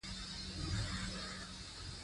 د اوبو سرچینې د افغانستان د بشري فرهنګ برخه ده.